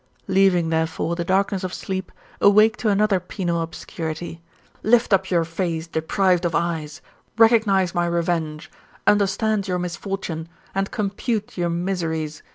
Leaving, therefore, the darkness of sleep, awake to another penal obscurity. Lift up your face deprived of eyes; recognise my revenge; understand your misfortune ; and compute your miseries.